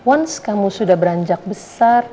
wans kamu sudah beranjak besar